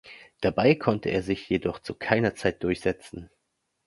Dabei konnte er sich jedoch zu keiner Zeit durchsetzen.